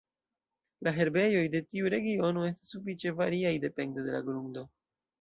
La herbejoj de tiu regiono estas sufiĉe variaj depende de la grundoj.